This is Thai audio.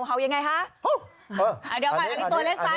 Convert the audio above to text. เห่ายังไงครับ